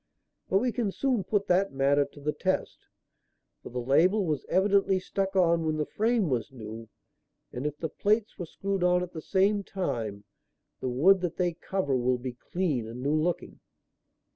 But we can soon put that matter to the test, for the label was evidently stuck on when the frame was new, and if the plates were screwed on at the same time, the wood that they cover will be clean and new looking."